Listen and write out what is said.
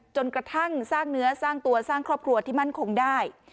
จนกระทั่งสร้างเนื้อสร้างตัวสร้างครอบครัวที่มั่นคงได้